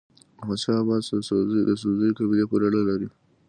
احمد شاه بابا د سدوزيو قبيلې پورې اړه لري.